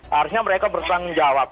harusnya mereka bertanggung jawab